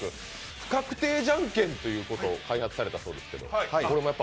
不確定じゃんけんということを開発されたそうですけど。